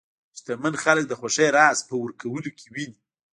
شتمن خلک د خوښۍ راز په ورکولو کې ویني.